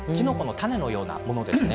種のようなものですね。